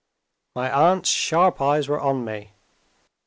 My aunt's sharp eyes were on me.